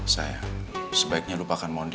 sayang sebaiknya lupakan mondi